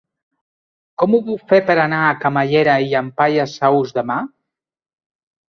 Com ho puc fer per anar a Camallera i Llampaies Saus demà?